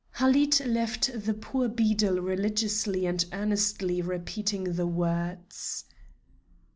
Halid left the poor beadle religiously and earnestly repeating the words.